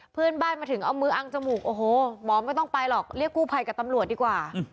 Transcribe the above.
เพื่อนบ้านมาถึงเอามืออังจมูกโอ้โหหมอไม่ต้องไปหรอกเรียกกู้ภัยกับตำรวจดีกว่า